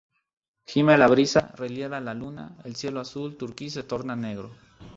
gime la brisa, riela la luna, el cielo azul turquí se torna negro